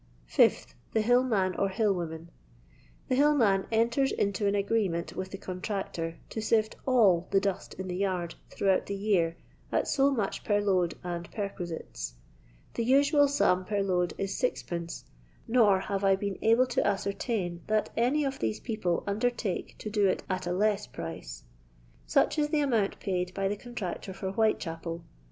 5th. The hill man or hiU woman. The hil ' num enters into an agreement with the contractor to sift all the dust in the yard throughout the year at so much per load and perquisites. The usual sum per load is 6d., nor have I been able to ascer tain that any of these people undertake to do it at a less price. Such is the amount paid by the contractor for Whitechapel.